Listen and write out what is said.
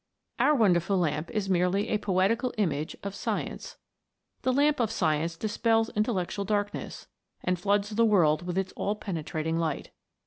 Our wonderful lamp is merely a poetical image of Science. The lamp of science dispels intellectual darkness, and floods the world with its all pene 310 THE WONDERFUL LAMP. trating light.